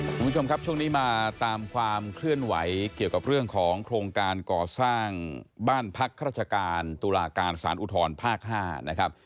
คุณผู้ชมครับช่วงนี้มาตามความเคลื่อนไหวเกี่ยวกับเรื่องของโครงการก่อสร้างบ้านพักราชการตุลาการสารอุทธรภาค๕นะครับ